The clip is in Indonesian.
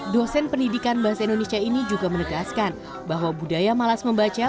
dosen pendidikan bahasa indonesia ini juga menegaskan bahwa budaya malas membaca